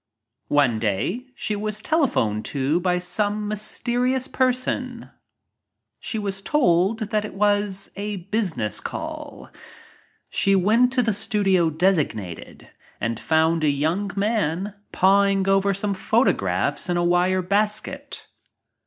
One day she was telephoned to by some mysterious person. She was told it was a business call. She went to the studio designated and found a young man pawing over some photographs in a wire bas ket.